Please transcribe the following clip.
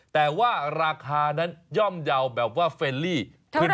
แต่ว่าราคานั้นย่อมเยาว์แบบว่าเฟรลี่ขึ้น